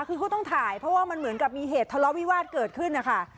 คือเขาต้องถ่ายเพราะว่ามันเหมือนกับมีเหตุทะเลาะวิวาสเกิดขึ้นนะคะ